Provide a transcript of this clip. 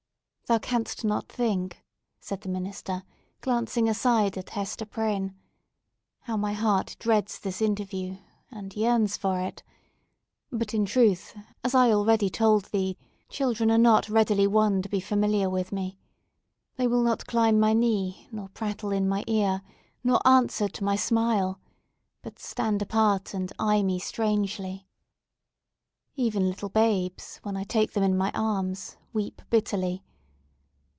"Thou canst not think," said the minister, glancing aside at Hester Prynne, "how my heart dreads this interview, and yearns for it! But, in truth, as I already told thee, children are not readily won to be familiar with me. They will not climb my knee, nor prattle in my ear, nor answer to my smile, but stand apart, and eye me strangely. Even little babes, when I take them in my arms, weep bitterly.